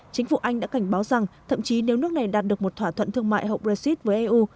chính phủ anh đã cảnh báo rằng thậm chí nếu nước này đạt được một thỏa thuận thương mại hậu brexit với eu